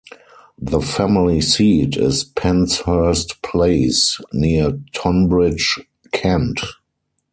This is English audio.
The family seat is Penshurst Place, near Tonbridge, Kent.